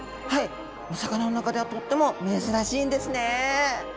お魚の中ではとっても珍しいんですね。